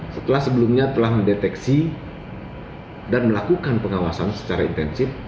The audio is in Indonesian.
setelah sebelumnya telah mendeteksi dan melakukan pengawasan secara intensif